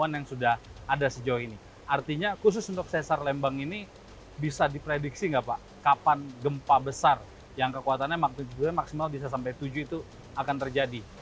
apakah itu berarti bisa diprediksi kapan gempa besar yang maksimal bisa sampai tujuh